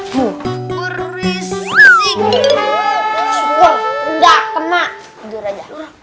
berisik enggak kena tidur aja